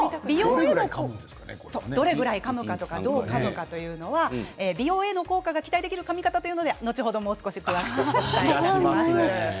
どれくらいかむかとかどうかむかというのか美容への効果が期待できるかとかは後ほど詳しくお伝えします。